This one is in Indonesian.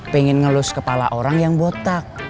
pengen ngelus kepala orang yang botak